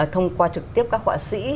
thông qua trực tiếp các họa sĩ